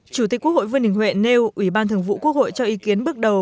chủ tịch quốc hội vương đình huệ nêu ủy ban thường vụ quốc hội cho ý kiến bước đầu